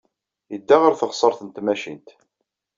Yedda ɣer teɣsert n tmacint.